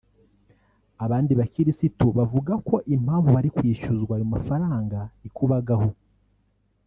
Abandi bakirisitu bavuga ko impamvu bari kwishyuzwa ayo mafaranga ikubagahu